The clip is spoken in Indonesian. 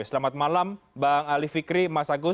selamat malam bang ali fikri mas agus